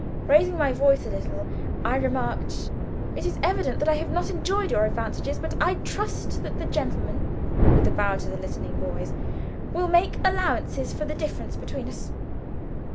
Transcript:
Raising my voice a little, I remarked: "It is evident that I have not enjoyed your advantages, but I trust that the gentlemen" (with a bow to the listening boys) "will make allowances for the difference between us."